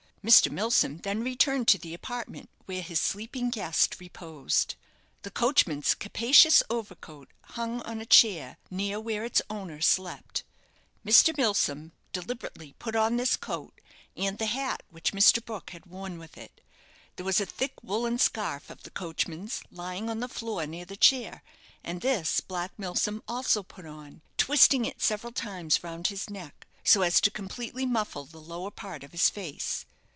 Mr. Milsom then returned to the apartment where his sleeping guest reposed. The coachman's capacious overcoat hung on a chair near where its owner slept. Mr. Milsom deliberately put on this coat, and the hat which Mr. Brook had worn with it. There was a thick woollen scarf of the coachman's lying on the floor near the chair, and this Black Milsom also put on, twisting it several times round his neck, so as to completely muffle the lower part of his face.